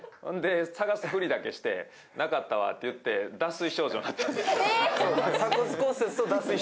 探すふりだけして、なかったわって言って、脱水症状になったんです。